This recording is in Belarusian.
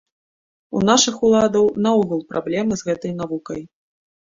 У нашых уладаў наогул праблемы з гэтай навукай.